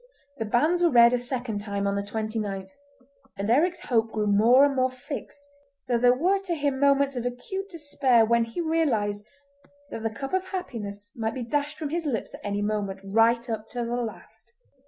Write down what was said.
The banns were read a second time on the 29th, and Eric's hope grew more and more fixed though there were to him moments of acute despair when he realised that the cup of happiness might be dashed from his lips at any moment, right up to the last.